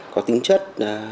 có tính chất